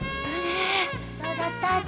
どうだった？